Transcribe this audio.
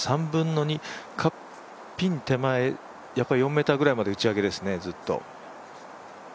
３分の２、ピン手前４ｍぐらいまで打ち上げですね、ずっと。